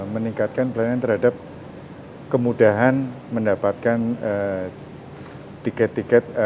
meningkatkan pelayanan terhadap kemudahan mendapatkan tiket tiket